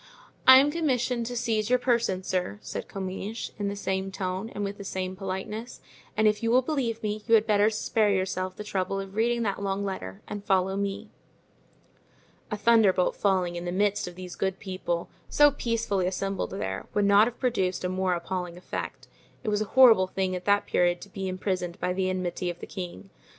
"I am commissioned to seize your person, sir," said Comminges, in the same tone and with the same politeness; "and if you will believe me you had better spare yourself the trouble of reading that long letter and follow me." A thunderbolt falling in the midst of these good people, so peacefully assembled there, would not have produced a more appalling effect. It was a horrible thing at that period to be imprisoned by the enmity of the king.